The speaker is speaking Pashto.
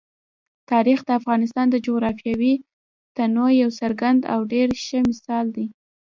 تاریخ د افغانستان د جغرافیوي تنوع یو څرګند او ډېر ښه مثال دی.